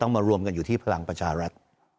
มารวมกันอยู่ที่พลังประชารัฐ